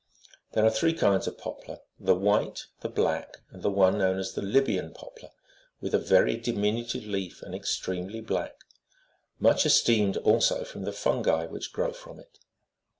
"48 (23.) There are three kinds of poplar; the white,49 the black,50 and the one known as the Libyan51 poplar, with a very diminutive leaf, and extremely black ; much esteemed also for the fungi which grow from it.